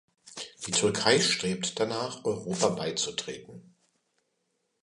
Die Türkei strebt danach, Europa beizutreten.